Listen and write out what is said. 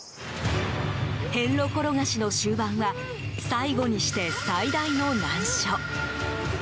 遍路ころがしの終盤は最後にして最大の難所。